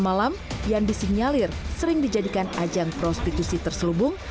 malam yang disinyalir sering dijadikan ajang prostitusi terselubung